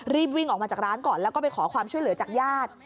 รีบวิ่งออกมาจากร้านก่อนแล้วก็ไปขอความช่วยเหลือจากญาติ